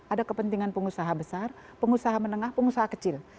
ada kepentingan pengusaha besar pengusaha menengah pengusaha kecil